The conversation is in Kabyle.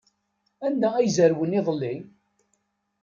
Anda ay zerwen iḍelli?